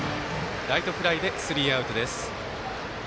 ライトフライでスリーアウトです。